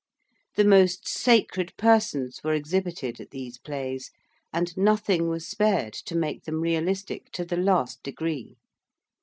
The most sacred Persons were exhibited at these plays, and nothing was spared to make them realistic to the last degree.